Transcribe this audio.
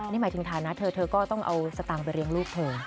นี่หมายถึงฐานะเธอเธอก็ต้องเอาสตางค์ไปเลี้ยงลูกเธอ